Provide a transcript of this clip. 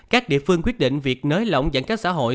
các địa phương quyết định việc nới lỏng giãn cách xã hội